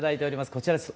こちらです。